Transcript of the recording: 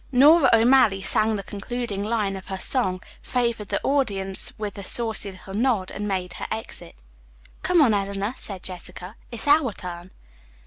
Nora O'Malley sang the concluding line of her song, favored the audience with a saucy little nod and made her exit. "Come on, Eleanor," said Jessica. "It's our turn."